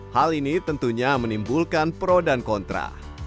hal ini tentunya menimbulkan pro dan kontra